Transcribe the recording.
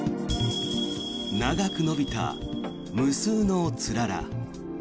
長く伸びた無数のつらら。